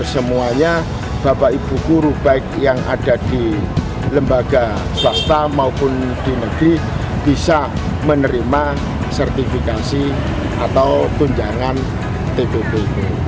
supaya guru baik yang ada di lembaga swasta maupun di negeri bisa menerima sertifikasi atau tunjangan tpp itu